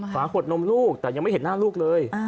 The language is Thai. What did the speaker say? ฝาขวดนมลูกแต่ยังไม่เห็นหน้าลูกเลย